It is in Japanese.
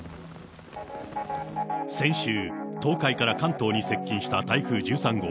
先週、東海から関東に接近した台風１３号。